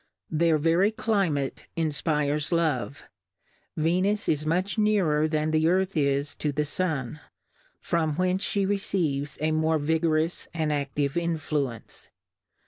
Their very Climate in fpires Love : Fenus is much nearer than the Earth is to the Sun, from whence fhe receives a more vigorous and aftive Influence.